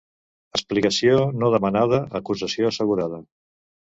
Explicació no demanada, acusació assegurada.